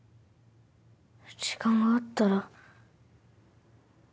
時間があったら。